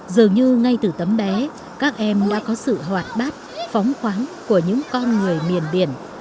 dường như ngay từ tấm bé các em đã có sự hoạt bát phóng khoáng của những con người miền biển